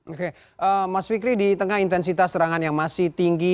oke mas fikri di tengah intensitas serangan yang masih tinggi